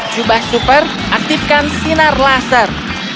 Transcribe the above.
jubah super aktifkan sinar laser